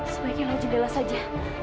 sebaiknya laju jelas saja